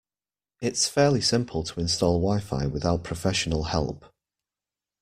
It's fairly simple to install wi-fi without professional help.